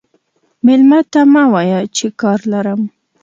مېلمه ته مه وایه چې کار لرم.